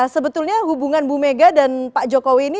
sebetulnya hubungan bu mega dan pak jokowi ini